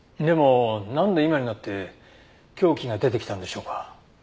でもなんで今になって凶器が出てきたんでしょうか？